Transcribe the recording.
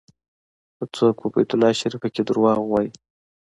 که څوک په بیت الله شریف کې دروغ ووایي.